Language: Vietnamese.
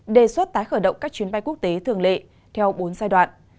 đề xuất tái khởi động các chuyến bay quốc tế thường lệ theo bốn giai đoạn